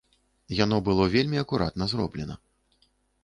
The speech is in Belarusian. Яно было вельмі акуратна зроблена.